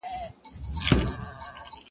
زموږ له شونډو مه غواړه زاهده د خلوت کیسه-